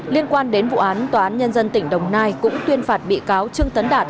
liên quan đến vụ án tòa án nhân dân tỉnh đồng nai cũng tuyên phạt bị cáo trương tấn đạt